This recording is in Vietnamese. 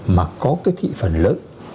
mà có cái thị phần lớn